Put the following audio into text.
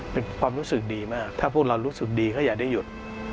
เป็นความรู้สึกดีมากถ้าพวกเรารู้สึกดีก็อย่าได้หยุด